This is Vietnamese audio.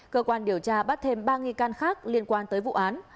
cơ quan điều tra bắt thêm ba nghi can khác liên quan tới vụ án